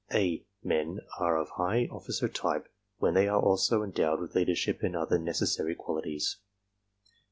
"A" men are of high officer type when they are also endowed with leader ' ship and other necessary qualities.